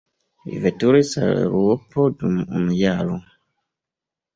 Li veturis al Eŭropo dum unu jaro.